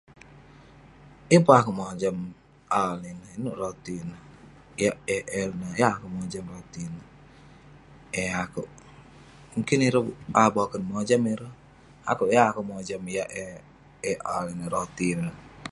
Yeng pun akuek mojam a ineh ineuk roti neh yah am ineh yeng akuek mojam eh akuek mungkin ireh boken mojam ireh akuu yeng akuek mojam yah eh ai ineuk roti neh